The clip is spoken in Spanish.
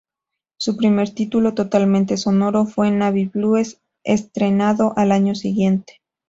Su primer título totalmente sonoro fue "Navy Blues", estrenado al año siguiente.